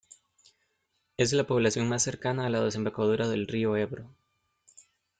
Es la población más cercana a la desembocadura del río Ebro.